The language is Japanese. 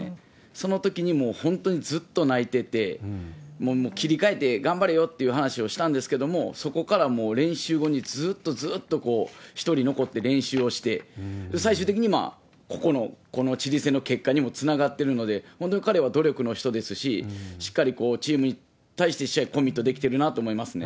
そのときに、もう本当にずっと泣いてて、もう切り替えて頑張れよっていう話をしたんですけれども、そこからもう練習後にずーっとずーっと、こう、１人残って練習をして、最終的にここのこのチリ戦の結果にもつながってるので、本当に彼は努力の人ですし、しっかりチームに対して、試合コミットできてるなと思いますね。